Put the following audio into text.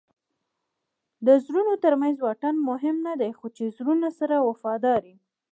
د زړونو ترمنځ واټن مهم نه دئ؛ خو چي زړونه سره وفادار يي.